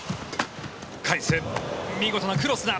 見事なクロスだ。